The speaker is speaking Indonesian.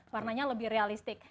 warnanya lebih realistik